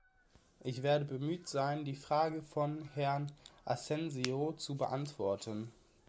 Ich werde bemüht sein, die Frage von Herrn Asensio zu beantworten.